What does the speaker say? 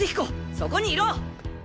そこにいろ！